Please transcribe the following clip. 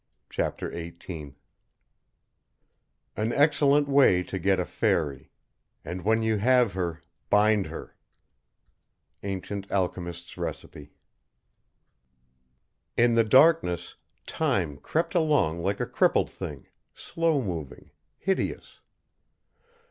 CHAPTER XVIII "An excellent way to get a fayrie and when you have her, bind her!" ANCIENT ALCHEMIST'S RECIPE. In the darkness Time crept along like a crippled thing, slow moving, hideous.